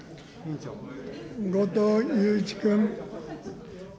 後藤祐一君。